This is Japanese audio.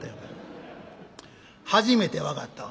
「初めて分かったわ。